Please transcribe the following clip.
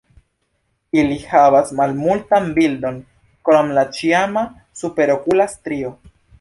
Ili havas malmultan bildon krom la ĉiama superokula strio.